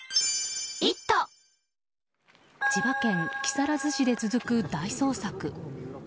千葉県木更津市で続く大捜索。